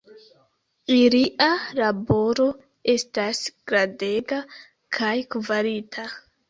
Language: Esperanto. Ilia laboro estas grandega kaj kvalita.